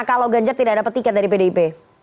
kalau ganjar tidak dapat tiket dari pdip